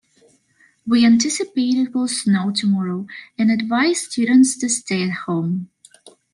We anticipate it will snow tomorrow and advise students to stay at home.